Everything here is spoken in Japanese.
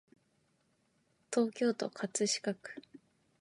東京都葛飾区